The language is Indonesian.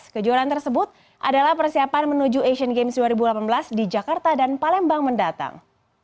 kejuaraan tersebut adalah persiapan menuju asian games dua ribu delapan belas di jakarta dan palembang mendatang